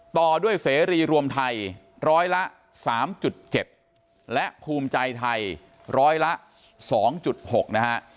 ต่อด้วยเสรีรวมไทยร้อยละ๓๗และภูมิใจไทยร้อยละ๒๖นะฮะ